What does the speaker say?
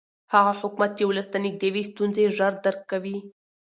هغه حکومت چې ولس ته نږدې وي ستونزې ژر درک کوي